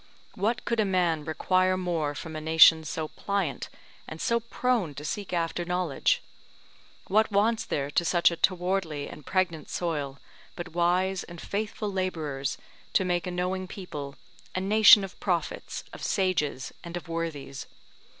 What could a man require more from a nation so pliant and so prone to seek after knowledge? What wants there to such a towardly and pregnant soil, but wise and faithful labourers, to make a knowing people, a nation of prophets, of sages, and of worthies?